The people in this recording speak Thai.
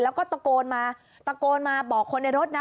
แล้วก็ตะโกนมาตะโกนมาบอกคนในรถนะ